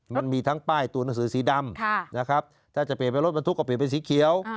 มันมีทั้งป้ายตัวหนังสือสีดำนะครับถ้าจะเปลี่ยนไปรถบรรทุกก็เปลี่ยนเป็นสีเขียว